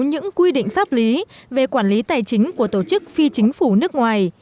những quy định pháp lý về quản lý tài chính của tổ chức phi chính phủ nước ngoài